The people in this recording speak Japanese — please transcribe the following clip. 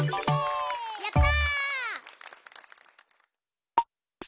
やった！